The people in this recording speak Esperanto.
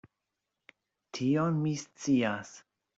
Tion mi scias.